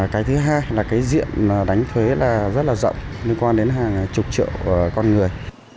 cái thứ hai là cái diện đánh thuế rất là rộng liên quan đến hàng chục triệu con người